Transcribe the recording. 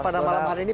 pada malam hari ini